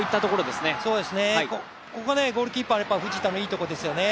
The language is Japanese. ここはゴールキーパー藤田のいいところですよね。